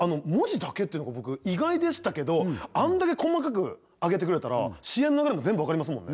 文字だけっていうのが僕意外でしたけどあんだけ細かく上げてくれたら試合の流れ全部わかります